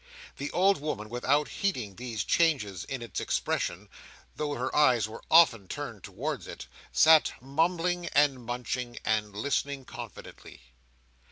The old woman, without heeding these changes in its expression, though her eyes were often turned towards it, sat mumbling and munching, and listening confidently.